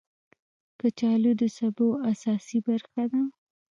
کچالو د سبو اساسي برخه ده